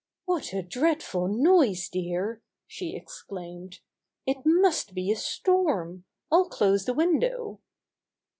*What a dreadful noise, dear!" she ex claimed. "It must be a storm. I'll close the window."